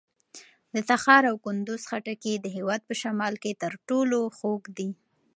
د تخار او کندوز خټکي د هېواد په شمال کې تر ټولو خوږ دي.